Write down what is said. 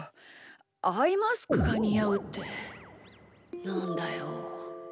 アイマスクがにあうってなんだよ。